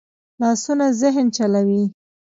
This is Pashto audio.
لاسونه ذهن چلوي